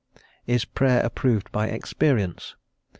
Is Prayer approved by experience?